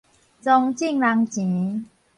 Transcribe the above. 傱眾人錢